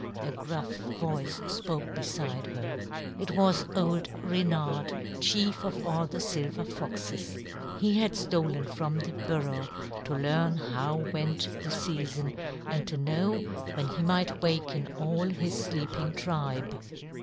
a gruff voice spoke beside her. It was old Reynard, chief of all the silver foxes. He had stolen from the burrow to learn how went the season and to know when he might waken all his sleeping tribe.